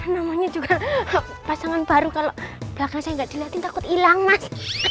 namanya juga pasangan baru kalau belakang saya nggak dilatih takut hilang mas